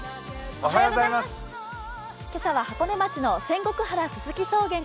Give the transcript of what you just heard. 今朝は箱根町の仙石原